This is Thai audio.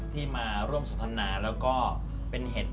ที่มาร่วมสนทนาแล้วก็เป็นเห็ด